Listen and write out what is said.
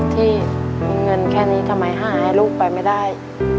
ที่มีเงินแค่นี้ทำไมหาให้ลูกไปไม่ได้